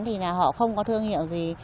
thì là họ không có thương hiệu gì